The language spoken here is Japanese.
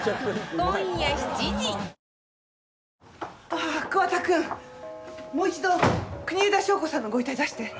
ああ桑田くんもう一度国枝祥子さんのご遺体出して。